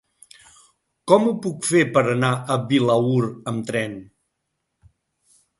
Com ho puc fer per anar a Vilaür amb tren?